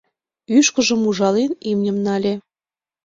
Ӱшкыжым ужален, имньым нале.